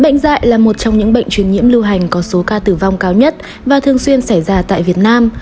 bệnh dạy là một trong những bệnh truyền nhiễm lưu hành có số ca tử vong cao nhất và thường xuyên xảy ra tại việt nam